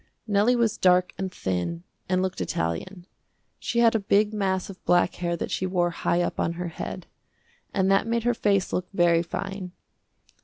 Nellie was dark and thin, and looked Italian. She had a big mass of black hair that she wore high up on her head, and that made her face look very fine.